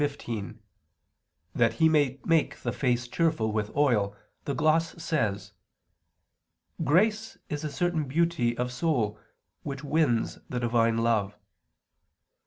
103:15: "That he may make the face cheerful with oil"; the gloss says: "Grace is a certain beauty of soul, which wins the Divine love."